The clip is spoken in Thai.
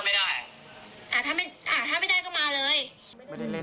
ไม่ได้เล่นด้วยค่ะแค่บอกว่าไปเล่น